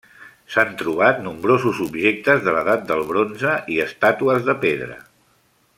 S'han trobat nombrosos objectes de l'edat del bronze i estàtues de pedra.